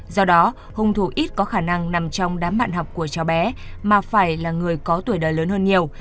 do đó hung thủ ít có khả năng nằm trong đám bạn học của cháu bé mà phải là người có tuổi đời lớn hơn nhiều